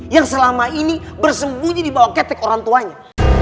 yang selama ini bersembunyi di bawah ketek orang tuanya